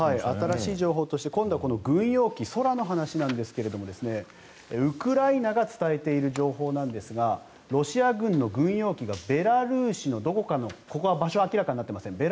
新しい情報として軍用機、空の話なんですがウクライナが伝えている情報なんですがロシア軍の軍用機がベラルーシのどこかのここは場所は明らかになっていません。